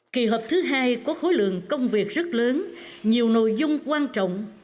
kỳ họp thứ hai có khối lượng công việc rất lớn nhiều nội dung quan trọng